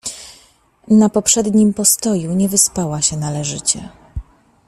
Na poprzednim postoju nie wyspała się należycie.